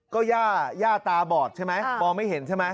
ก็ย่าย่าตาบอดใช่ไหมมองไม่เห็นใช่ไหม